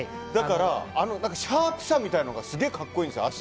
シャープさみたいなのがすげえ格好いいんですよ。